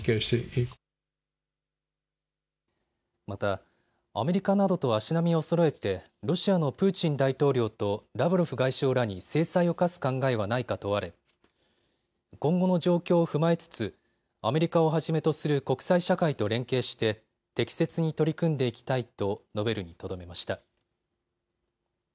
またアメリカなどと足並みをそろえてロシアのプーチン大統領とラブロフ外相らに制裁を科す考えはないか問われ、今後の状況を踏まえつつ、アメリカをはじめとする国際社会と連携して適切に取り組んでいきたいと述べるにとどめました。